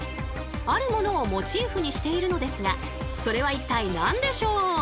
あるものをモチーフにしているのですがそれは一体何でしょう？